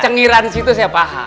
cenggiran situ saya paham